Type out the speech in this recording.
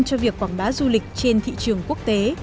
cho việc quảng bá du lịch trên thị trường quốc tế